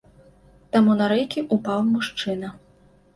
Там на рэйкі ўпаў мужчына.